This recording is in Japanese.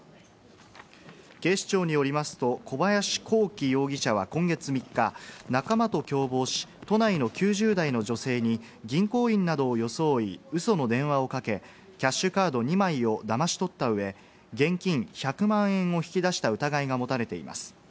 警視庁によりますと、小林貢樹容疑者は今月３日、仲間と共謀し、都内の９０代の女性に銀行員などを装い、うその電話をかけ、キャッシュカード２枚をだまし取ったうえ、現金１００万円を引き出した疑いが持たれています。